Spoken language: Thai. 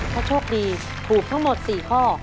ถ้าโชคดีถูกทั้งหมด๔ข้อ